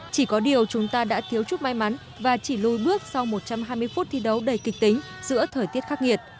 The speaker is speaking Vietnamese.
chỉ có điều chúng ta đã thiếu chút may mắn và chỉ lùi bước sau một trăm hai mươi phút thi đấu đầy kịch tính giữa thời tiết khắc nghiệt